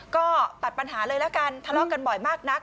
ก็ตัดปัญหาเลยละกันทะเลาะกันบ่อยมากนัก